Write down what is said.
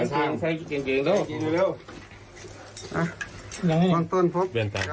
เก็บเบงด้วย